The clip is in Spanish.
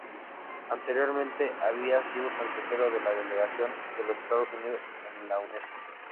Anteriormente había sido consejero de la delegación de los Estados Unidos en la Unesco.